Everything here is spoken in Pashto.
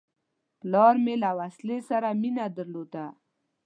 پلار مې له وسلې سره مینه درلوده.